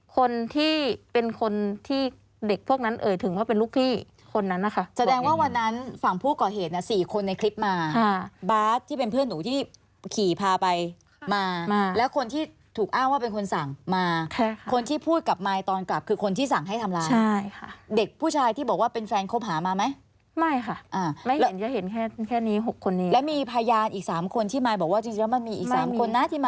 คนที่เป็นคนที่เด็กพวกนั้นเอ่ยถึงว่าเป็นลูกพี่คนนั้นนะคะแสดงว่าวันนั้นฝั่งผู้ก่อเหตุเนี่ยสี่คนในคลิปมาบาร์ดที่เป็นเพื่อนหนูที่ขี่พาไปมามาแล้วคนที่ถูกอ้างว่าเป็นคนสั่งมาค่ะคนที่พูดกับมายตอนกลับคือคนที่สั่งให้ทำร้ายใช่ค่ะเด็กผู้ชายที่บอกว่าเป็นแฟนคบหามาไหมไม่ค่ะอ่าไม่เห็นจะเห็นแค่นี้หกคนนี้แล้วมีพยานอีกสามคนที่มายบอกว่าจริงแล้วมันมีอีกสามคนนะที่มา